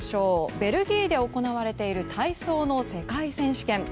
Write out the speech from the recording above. ベルギーで行われている体操の世界選手権。